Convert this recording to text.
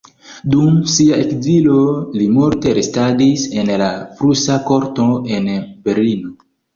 Dum sia ekzilo li multe restadis en la prusa korto en Berlino.